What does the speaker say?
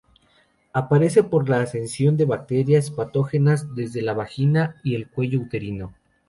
Aparece por la ascensión de bacterias patógenas desde la vagina y el cuello uterino.